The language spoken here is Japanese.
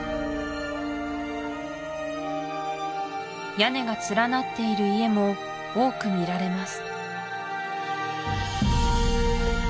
屋根がつらなっている家も多く見られます